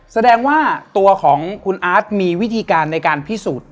แสดงว่าตัวของคุณอาร์ตมีวิธีการในการพิสูจน์